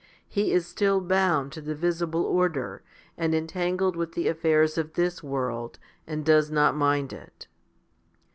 He is still bound to the visible order, and entangled with the affairs of this world, and does not mind it.